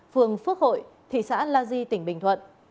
phường phước hội thị xã la di tỉnh bình thuận